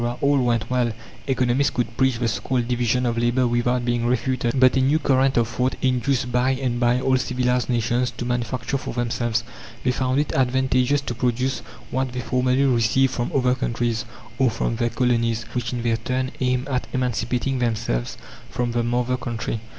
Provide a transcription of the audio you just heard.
all went well, economists could preach the so called division of labour without being refuted. But a new current of thought induced bye and bye all civilized nations to manufacture for themselves. They found it advantageous to produce what they formerly received from other countries, or from their colonies, which in their turn aimed at emancipating themselves from the mother country.